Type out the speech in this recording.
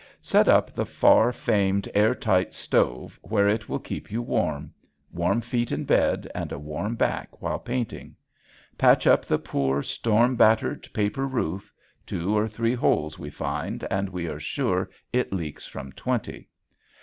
Set up the far famed air tight stove where it will keep you warm, warm feet in bed and a warm back while painting. Patch up the poor, storm battered paper roof, two or three holes we find and we are sure it leaks from twenty.